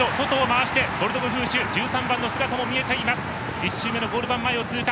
１周目のゴール板前を通過。